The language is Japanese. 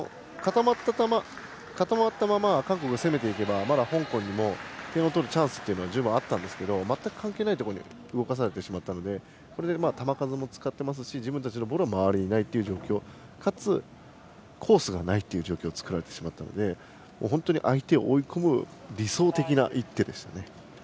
固まったまま韓国が攻めていけばまだ香港にも点を取るチャンスは十分あったんですけど全く関係ないところを動かされてしまったのでこれで球数も使っていますし自分たちのボールは周りにない状況かつコースがないという状況を作られてしまったので本当に相手を追い込む理想的な１手ですね。